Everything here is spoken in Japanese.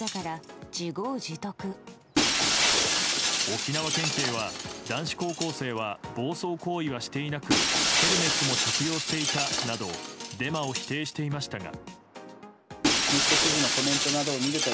沖縄県警は男子高校生は暴走行為はしていなくヘルメットも着用していたなどデマを否定していましたが。